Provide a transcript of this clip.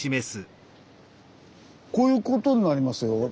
こういうことになりますよ。